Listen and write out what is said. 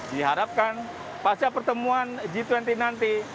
di harapkan pasca pertemuan g dua puluh nanti